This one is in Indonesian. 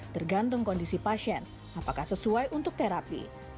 tergantung kondisi pasien apakah sesuai untuk terapi